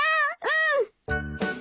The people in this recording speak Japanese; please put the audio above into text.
うん！